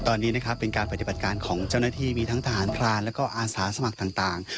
ตอนนี้นะครับเป็นการปฏิบัติการของเจ้าหน้าที่มีทั้งทหารพรานแล้วก็อาสาสมัครต่าง